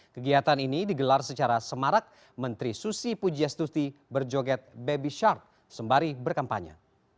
kegiatan ini digelar secara semarak menteri susi pujias tuti berjoget baby shark sembari berkampanye